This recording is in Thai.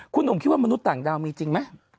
คุณหนุ่มคิดว่ามนุษย์ต่างดาวมีจริงไหม